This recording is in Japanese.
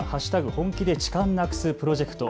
本気で痴漢なくすプロジェクト。